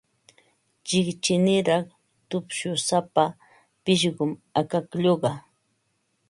Chiqchiniraq tupshusapa pishqum akaklluqa.